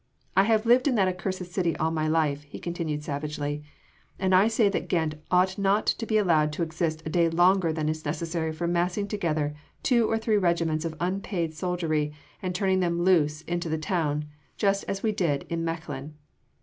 "I have lived in that accursed city all my life," he continued savagely, "and I say that Ghent ought not to be allowed to exist a day longer than is necessary for massing together two or three regiments of unpaid soldiery and turning them loose into the town just as we did in Mechlin!"